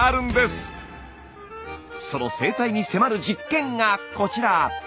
その生態に迫る実験がこちら。